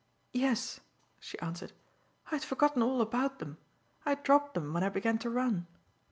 "Yes," she answered. "I had forgotten all about them. I dropped them when I began to run."